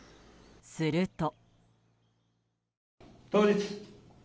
すると。